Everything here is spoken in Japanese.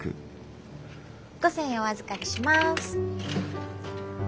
５千円お預かりします。